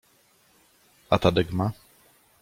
— A Tadek ma?